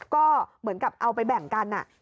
ก็เหมือนกับเอาไปแบ่งกัน